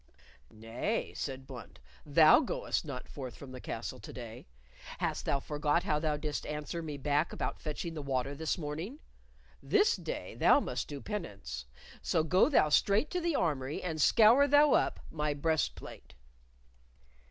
"Nay," said Blunt, "thou goest not forth from the castle to day. Hast thou forgot how thou didst answer me back about fetching the water this morning? This day thou must do penance, so go thou straight to the armory and scour thou up my breastplate."